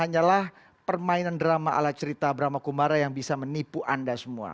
yang bisa menipu anda semua